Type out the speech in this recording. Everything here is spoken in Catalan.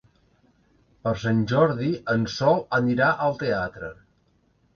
Per Sant Jordi en Sol anirà al teatre.